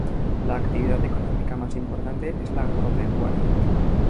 La actividad económica más importante es la agropecuaria.